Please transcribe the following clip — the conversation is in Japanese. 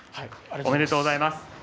おめでとうございます。